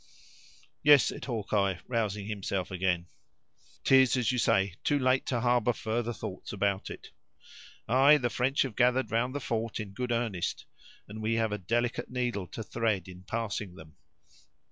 "Yes," said Hawkeye, rousing himself again; "'tis as you say, too late to harbor further thoughts about it. Ay, the French have gathered around the fort in good earnest and we have a delicate needle to thread in passing them."